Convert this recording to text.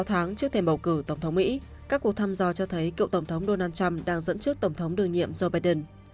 sáu tháng trước thềm bầu cử tổng thống mỹ các cuộc thăm dò cho thấy cựu tổng thống donald trump đang dẫn trước tổng thống đương nhiệm joe biden